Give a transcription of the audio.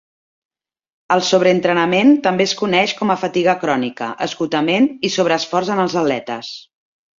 El sobreentrenament també es coneix com a fatiga crònica, esgotament i sobreesforç en els atletes.